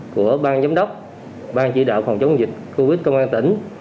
của ban giám đốc ban chỉ đạo phòng chống dịch covid một mươi chín công an tỉnh